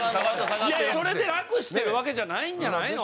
それで楽してるわけじゃないんじゃないの？